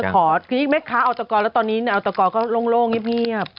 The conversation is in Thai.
คือแม่ค้าออตกรแล้วตอนนี้แนวตกก็โล่งเงียบ